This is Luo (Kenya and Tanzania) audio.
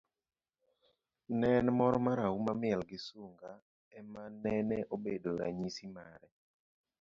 ne en mor marahuma, miel gi sunga ema nene obedo ranyisi mare